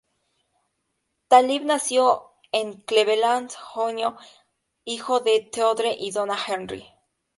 Talib nació en Cleveland, Ohio, hijo de Theodore y Donna Henry.